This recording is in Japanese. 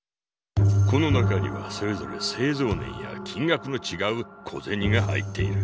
この中にはそれぞれ製造年や金額のちがう小銭が入っている。